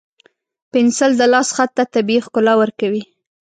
پنسل د لاس خط ته طبیعي ښکلا ورکوي.